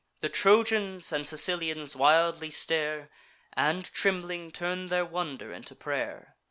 The Trojans and Sicilians wildly stare, And, trembling, turn their wonder into pray'r.